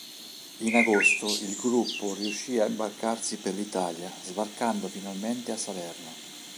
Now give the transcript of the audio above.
In agosto il gruppo riuscì a imbarcarsi per l'Italia, sbarcando finalmente a Salerno.